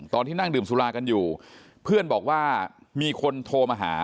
ตอนที่นั่งดื่มสุรากันอยู่เพื่อนบอกว่ามีคนโทรมาหา